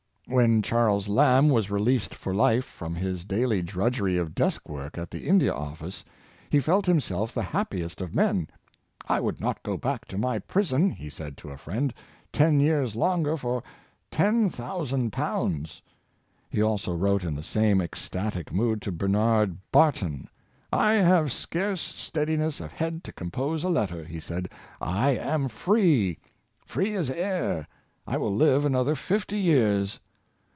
When Charles Lamb was released for life from his daily drudgery of desk work at the India Office, he felt himself the happiest of men. " I would not go back to my prison," he said to a friend, " ten years longer for Practical Importance of Industry, 155 ten thousand pounds." He also wrote in the same ec static mood to Bernard Barton. ''I have scarce steadi ness of head to compose a letter," he said; '' I am free! free as air! I will live another fifty years.